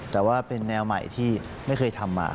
แต่ว่าเป็นแนวใหม่ที่ไม่เคยทำมา